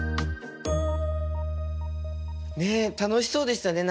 ね楽しそうでしたね